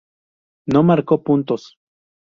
No marcó puntos.